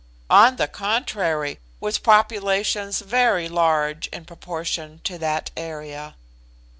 "On the contrary, with populations very large in proportion to that area."